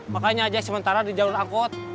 makanya aja sementara di jalur angkot